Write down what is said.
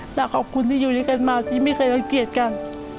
แต่ขอบคุณที่อยู่ด้วยกันมาที่ไม่เคยรังเกียจกัน